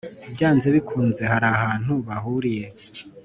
byanze bikunze harahantu bahuriye